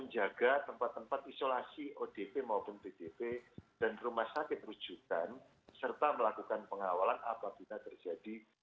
bagaimana itu covid sembilan belas sehingga kita harapkan ke depan tidak terjadi